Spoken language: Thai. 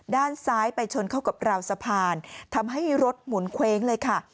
ด้านซ้ายไปชนเข้ากับราวสะพานทำให้รถหมุนเว้งเลยค่ะ